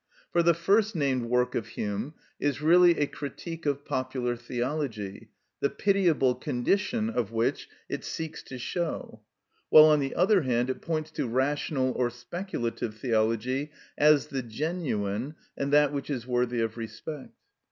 For the first named work of Hume is really a critique of popular theology, the pitiable condition of which it seeks to show; while, on the other hand, it points to rational or speculative theology as the genuine, and that which is worthy of respect.